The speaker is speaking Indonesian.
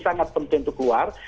sangat penting untuk keluar